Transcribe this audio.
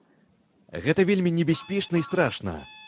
Гэта вельмі небяспечна і страшна.